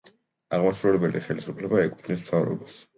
აღმასრულებელი ხელისუფლება ეკუთვნის მთავრობას.